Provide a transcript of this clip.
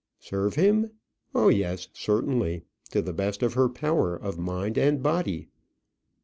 Serve him? oh, yes, certainly; to the best of her power of mind and body.